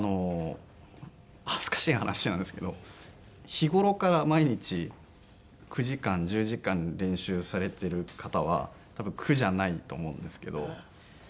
恥ずかしい話なんですけど日頃から毎日９時間１０時間練習されてる方は多分苦じゃないと思うんですけど。